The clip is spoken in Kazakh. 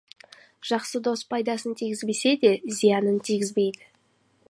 Жақсы дос пайдасын тигізбесе де, зиянын тигізбейді.